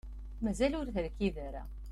Mazal ur terkid ara.